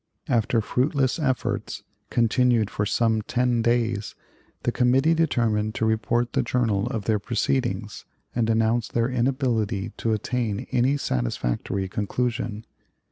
After fruitless efforts, continued for some ten days, the Committee determined to report the journal of their proceedings, and announce their inability to attain any satisfactory conclusion.